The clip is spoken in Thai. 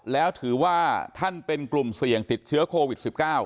แล้วถือว่าท่านเป็นกลุ่มเสี่ยงติดเชื้อโควิด๑๙